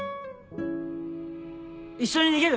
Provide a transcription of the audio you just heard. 一緒に逃げる？